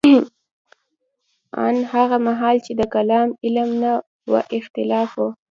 ان هغه مهال چې د کلام علم نه و اختلاف وو.